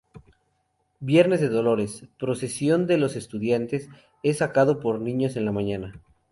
Viernes de Dolores: Procesión de los estudiantes, es sacado por niños en la mañana.